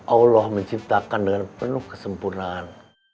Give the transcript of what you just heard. allah menciptakan dengan penuh kesempurnaan